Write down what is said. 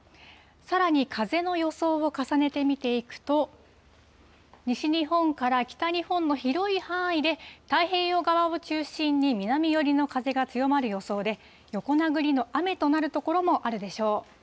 さらに、風の予想を重ねて見ていくと、西日本から北日本の広い範囲で、太平洋側を中心に、南寄りの風が強まる予想で、横殴りの雨となる所もあるでしょう。